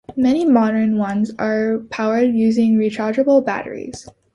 Many modern ones are powered using rechargeable batteries.